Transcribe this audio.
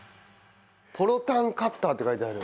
「ポロタンカッター」って書いてある。